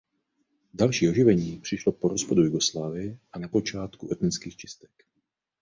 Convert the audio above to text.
Další oživení přišlo po rozpadu Jugoslávie a na počátku etnických čistek.